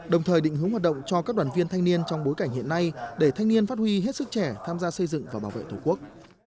đồng thời định hướng hoạt động cho các đoàn viên thanh niên trong bối cảnh hiện nay để thanh niên phát huy hết sức trẻ tham gia xây dựng và bảo vệ tổ quốc